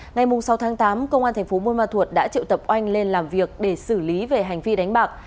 ngày sáu tháng tám công an thành phố buôn ma thuột đã triệu tập oanh lên làm việc để xử lý về hành vi đánh bạc